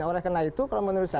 oleh karena itu kalau menurut saya